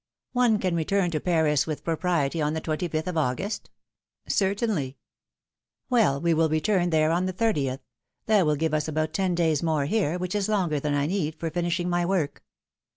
"One can return to Paris with propriety on the twenty fifth of August?'' " Certainly." " Well, we will return there on the thirtieth; that will give us about ten days more here, which is longer than I need for finishing my work."